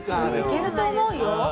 いけると思うよ。